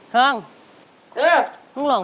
ทอง